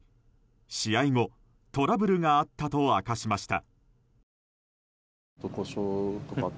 試合後、トラブルがあったと明かしました。